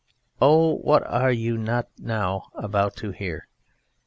Oh! what are you not now about to hear!